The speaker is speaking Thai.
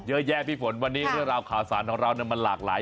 เยอะแยะพี่ฝนวันนี้เรื่องราวข่าวสารของเรามันหลากหลาย